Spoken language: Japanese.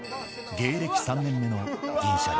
芸歴３年目の銀シャリ。